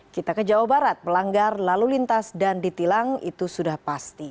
kita ke jawa barat melanggar lalu lintas dan ditilang itu sudah pasti